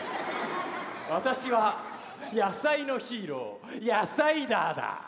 私は野菜のヒーローヤサイダーだ。